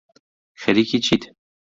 خەریکی چیت